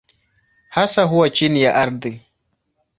Hasa huwa chini ya ardhi.